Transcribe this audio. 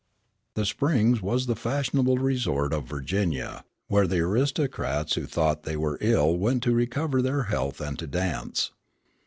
The Springs was the fashionable resort of Virginia, where the aristocrats who thought they were ill went to recover their health and to dance.